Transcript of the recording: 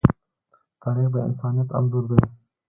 تاریخ د انسانیت انځور دی.